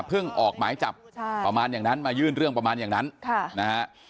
ออกหมายจับประมาณอย่างนั้นมายื่นเรื่องประมาณอย่างนั้นค่ะนะฮะ